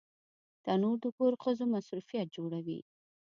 تنور د کور ښځو مصروفیت جوړوي